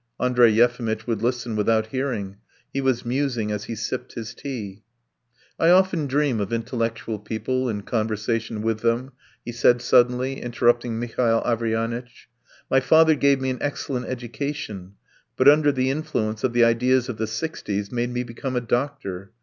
Andrey Yefimitch would listen without hearing; he was musing as he sipped his beer. "I often dream of intellectual people and conversation with them," he said suddenly, interrupting Mihail Averyanitch. "My father gave me an excellent education, but under the influence of the ideas of the sixties made me become a doctor.